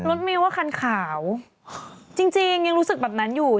มิวว่าคันขาวจริงจริงยังรู้สึกแบบนั้นอยู่